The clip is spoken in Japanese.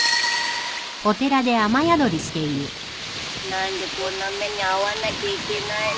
何でこんな目に遭わなきゃいけないの？